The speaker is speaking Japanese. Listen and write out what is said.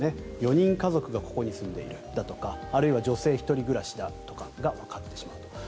４人家族がここに住んでいるとかあるいは女性１人暮らしだとかがわかってしまうと。